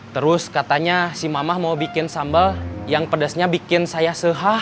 terus katanya si mamah mau bikin sambal yang pedasnya bikin saya sehah